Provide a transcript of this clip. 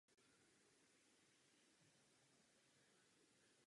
Dodnes jsou vydávána některá jeho díla.